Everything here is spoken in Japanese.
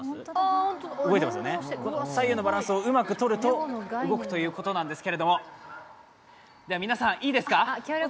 左右のバランスをうまくとると動くということなんですけれども皆さん、いいですか？